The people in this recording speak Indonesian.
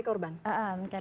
korban sebagai korban